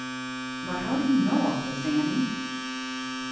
" But how do you know all this, Annie